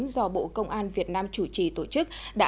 do bộ công an việt nam chủ trì tổ chức